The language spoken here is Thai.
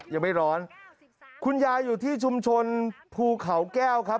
ยังไม่ร้อนคุณยายอยู่ที่ชุมชนภูเขาแก้วครับ